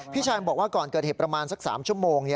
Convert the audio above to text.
พี่ชายบอกว่าก่อนเกิดเหตุประมาณสัก๓ชั่วโมง